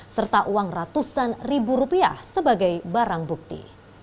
serta uang ratusan ribu rupiah sebagai barang bukti